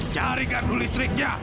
cari gargu listriknya